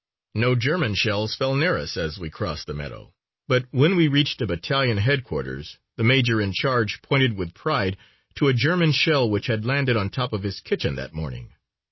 No German shells fell near us as we crossed the meadow, but when we reached a battalion headquarters the major in charge pointed with pride to a German shell which had landed on top of his kitchen that morning.